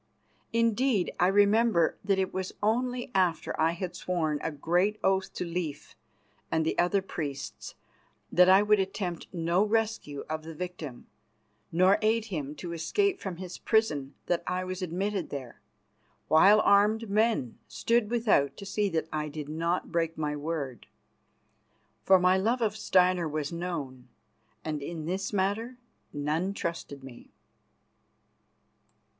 Indeed, I remember that it was only after I had sworn a great oath to Leif and the other priests that I would attempt no rescue of the victim, nor aid him to escape from his prison, that I was admitted there, while armed men stood without to see that I did not break my word. For my love of Steinar was known, and in this matter none trusted me.